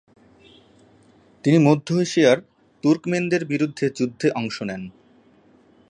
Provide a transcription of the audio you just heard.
তিনি মধ্য এশিয়ার তুর্কমেনদের বিরুদ্ধে যুদ্ধে অংশ নেন।